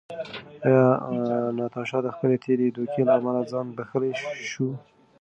ایا ناتاشا د خپلې تېرې دوکې له امله ځان بښلی شو؟